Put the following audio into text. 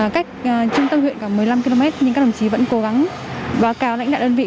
cách trung tâm huyện khoảng một mươi năm km nhưng các đồng chí vẫn cố gắng báo cáo lãnh đạo đơn vị